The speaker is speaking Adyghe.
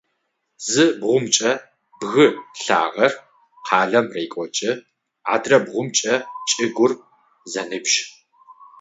Зы бгъумкӏэ бгы лъагэр къалэм рекӏокӏы, адрэбгъумкӏэ чӏыгур зэныбжь.